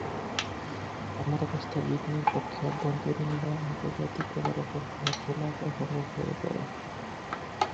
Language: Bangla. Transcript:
এমতাবস্থায় ব্রিটেনের পক্ষে অভ্যন্তরীণ বা আন্তর্জাতিক কোনোরকম সাহায্য লাভ অসম্ভব হয়ে পড়ে।